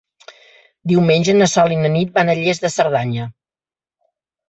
Diumenge na Sol i na Nit van a Lles de Cerdanya.